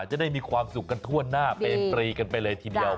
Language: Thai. จะได้มีความสุขกันทั่วหน้าเป็นปรีกันไปเลยทีเดียว